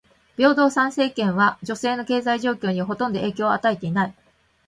平等参政権は女性の経済状況にほとんど影響を与えていない。